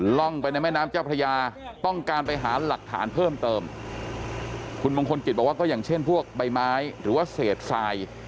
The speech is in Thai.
ร่องไปในแม่น้ำเจ้าพระยาต้องการไปหาหลักฐานเพิ่มเติมคุณมงคลกิจบอกว่าก็อย่างเช่นพวกใบไม้หรือว่าเศษทราย